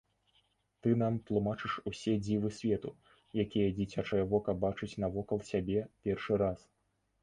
Ты нам тлумачыш усе дзівы свету, якія дзіцячае вока бачыць навокал сябе першы раз.